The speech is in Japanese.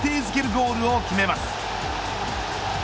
ゴールを決めます。